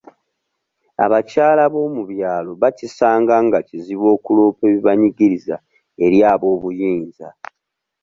Abakyala b'omu byalo bakisanga nga kizibu okuloopa ebibanyigiriza eri aboobuyinza.